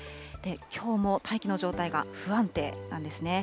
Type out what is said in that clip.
きょうも大気の状態が不安定なんですね。